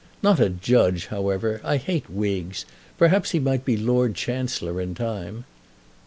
"Not a judge, however. I hate wigs. Perhaps he might be Lord Chancellor in time."